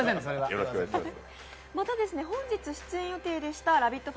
また、本日出演予定でしたラヴィット！